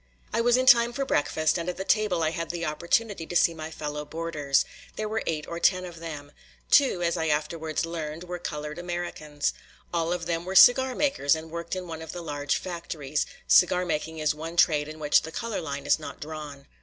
I was in time for breakfast, and at the table I had the opportunity to see my fellow boarders. There were eight or ten of them. Two, as I afterwards learned, were colored Americans. All of them were cigar makers and worked in one of the large factories cigar making is one trade in which the color line is not drawn.